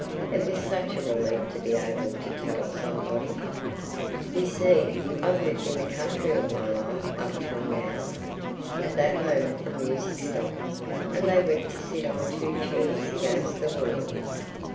It was such a relief to be able to tell somebody. "You see, I've lived in the country all my life up till now...." At that moment the music stopped, and they went to sit on two chairs against the wall.